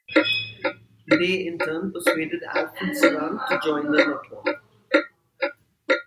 They in turn persuaded Alfred Sarant to join the network.